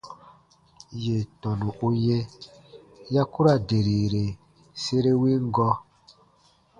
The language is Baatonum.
Yè tɔnu u yɛ̃ ya ku ra derire sere win gɔɔ.